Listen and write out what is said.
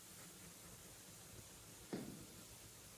Fue así como nació el Deportivo Armenia.